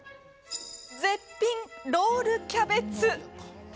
絶品、ロールキャベツ。